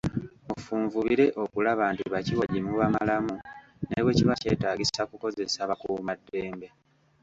Mufunvubire okulaba nti bakiwagi mubamalamu ne bwe kiba kyetaagisa kukozesa bakuumaddembe.